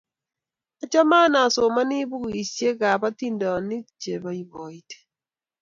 Achame ane asomani pukuisyek ap atindyonik che ipoipoiti